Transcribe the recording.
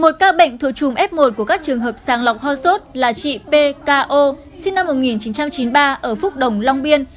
một ca bệnh thuộc chùm f một của các trường hợp sàng lọc ho sốt là chị pko sinh năm một nghìn chín trăm chín mươi ba ở phúc đồng long biên